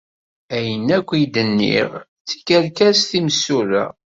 Ayen ay d-nniɣ d tikerkas timsura.